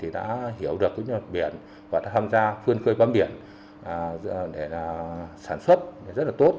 đã hiểu được những biển và đã tham gia phương cư văn biển để sản xuất rất là tốt